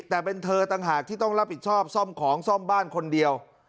แต่เป็นเธอต่างหากที่ต้องรับผิดชอบซ่อมของซ่อมบ้านคนเดียว